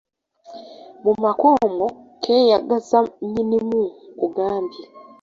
Mu maka omwo keeyagaza nnyinimu nkugambye!